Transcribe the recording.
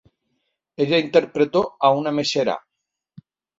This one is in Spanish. Ella interpretó a una mesera.